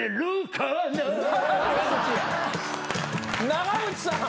長渕さん！